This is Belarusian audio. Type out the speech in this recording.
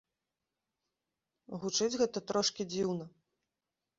Гучыць гэта трошкі дзіўна.